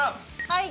はい。